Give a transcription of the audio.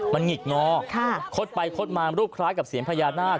มันหงิกงอคดไปคดมารูปคล้ายกับเสียงพญานาค